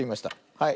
はい。